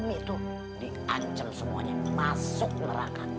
umi tuh di ancam semuanya masuk neraka